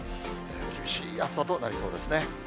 厳しい暑さとなりそうですね。